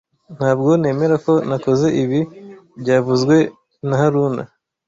Ntabwo nemera ko nakoze ibi byavuzwe na haruna